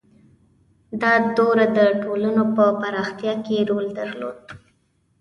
• دا دوره د ټولنو په پراختیا کې رول درلود.